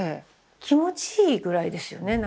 気持ちいいぐらいですよね中。